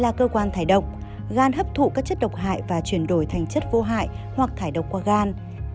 là cơ quan thải độc gan hấp thụ các chất độc hại và chuyển đổi thành chất vô hại hoặc thải độc qua gan